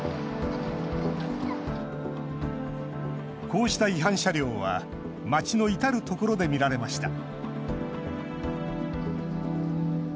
こうした違反車両は街の至る所で見られました。